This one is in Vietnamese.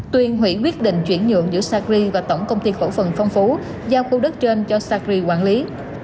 tuyên hủy quyết định chuyển nhượng giữa sacri và tổng công ty cổ phần phong phú giao khu đất trên cho sacri quản lý